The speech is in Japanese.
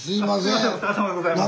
お世話さまでございます。